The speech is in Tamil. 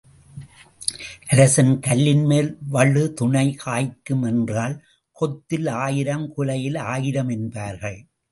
அரசன் கல்லின்மேல் வழுதுணை காய்க்கும் என்றால் கொத்தில் ஆயிரம் குலையில் ஆயிரம் என்பார்கள்.